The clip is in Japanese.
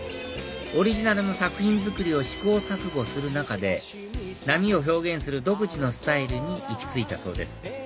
オリジナルの作品作りを試行錯誤する中で波を表現する独自のスタイルに行き着いたそうです